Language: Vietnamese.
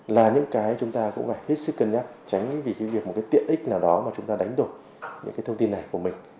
là những cái chúng ta cũng phải hết sức cân nhắc tránh vì cái việc một cái tiện ích nào đó mà chúng ta đánh đổi những cái thông tin này của mình